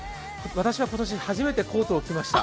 私は今年、初めてコートを着ました